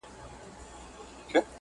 انارکلي! دا مرغلري اوښکي چاته ور وړې؟-